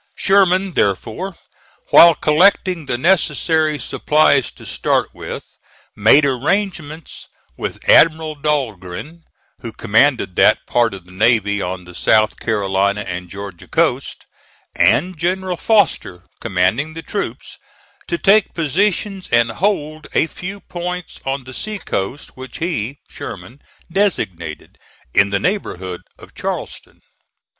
Sherman, therefore, while collecting the necessary supplies to start with, made arrangements with Admiral Dahlgren, who commanded that part of the navy on the South Carolina and Georgia coast, and General Foster, commanding the troops, to take positions, and hold a few points on the sea coast, which he (Sherman) designated, in the neighborhood of Charleston.